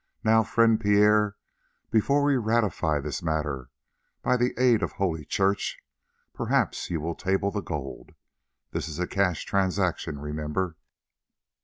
"Now, friend Pierre, before we ratify this matter by the aid of holy Church, perhaps you will table the gold. This is a cash transaction, remember."